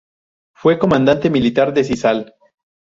Fue comandante militar de Sisal.